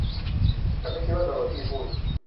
ฉันไม่คิดว่า โดโรธีพูด